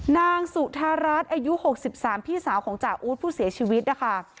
นางสุธารัฐอายุ๖๓พี่สาวของจ่าอู๊ดผู้เสียชีวิตนะคะ